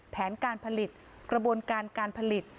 แผนการผลิตกระบวนการการผลิต